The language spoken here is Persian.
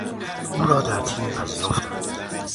او را در تیم پذیرفتند.